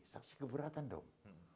saksi keberatan dong